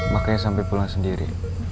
makanya sampe pulang sendiri